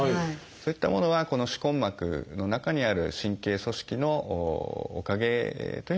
そういったものはこの歯根膜の中にある神経組織のおかげというふうに考えられております。